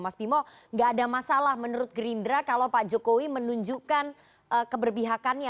mas bimo nggak ada masalah menurut gerindra kalau pak jokowi menunjukkan keberbihakannya